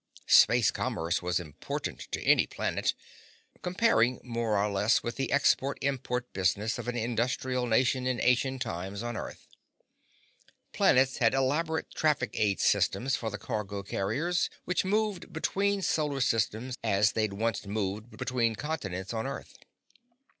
Space commerce was important to any planet, comparing more or less with the export import business of an industrial nation in ancient times on Earth. Planets had elaborate traffic aid systems for the cargo carriers which moved between solar systems as they'd once moved between continents on Earth.